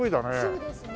そうですね。